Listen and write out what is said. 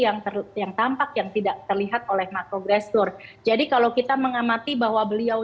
yang tertutup yang tampak yang tidak terlihat oleh makrogras zur jadi kalau kita mengamati bahwa beliau